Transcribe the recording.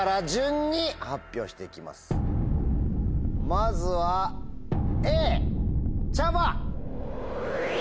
まずはＡ「茶葉」！